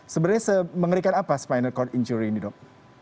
sebenarnya mengerikan apa spinal cord injury ini dok